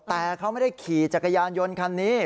แต่เขาไม่ได้ขี่จักรยานยนต์คันนี้